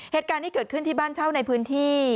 เหตุการณ์ที่เกิดขึ้นที่บ้านเช่าในพื้นที่